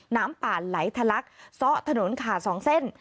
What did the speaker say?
น้ำป่าหลายทะลักเซาะถนนขาสองเส้น